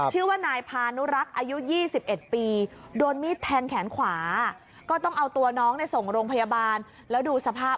ชื่อว่านายพานุรักษ์อายุ๒๑ปีโดนมีดแทงแขนขวาก็ต้องเอาตัวน้องส่งโรงพยาบาลแล้วดูสภาพ